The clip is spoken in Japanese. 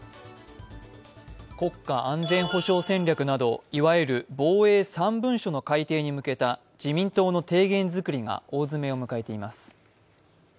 国家安全保障戦略などいわゆる防衛３文書の改定に向けた自民党の提言作りが大詰めを迎えています。